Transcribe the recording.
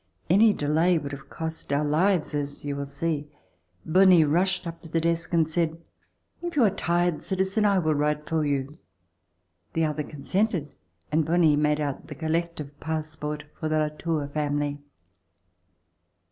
Any delay would have cost our lives, as you will see. Bonie rushed up to the desk and said: ''If you are tired, citizen, I will write for you." The other consented and Bonie made out the collective passport for the Latour family.